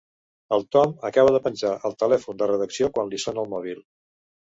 El Tom acaba de penjar el telèfon de redacció quan li sona el mòbil.